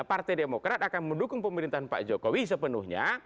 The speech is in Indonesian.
partai demokrat akan mendukung pemerintahan pak jokowi sepenuhnya